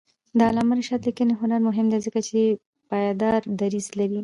د علامه رشاد لیکنی هنر مهم دی ځکه چې پایدار دریځ لري.